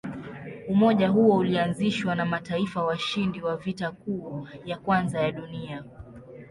Umoja huo ulianzishwa na mataifa washindi wa Vita Kuu ya Kwanza ya Dunia.